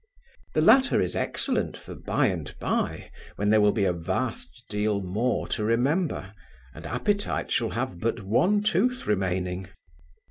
The latter is excellent for by and by, when there will be a vast deal more to remember, and appetite shall have but one tooth remaining.